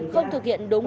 không thực hiện đúng